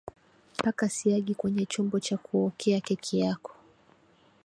Paka siagi kwenye chombo cha kuokea keki yako